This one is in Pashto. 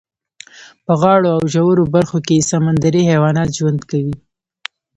په غاړو او ژورو برخو کې یې سمندري حیوانات ژوند کوي.